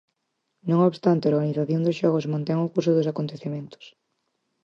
Non obstante, a organización dos xogos mantén o curso dos acontecementos.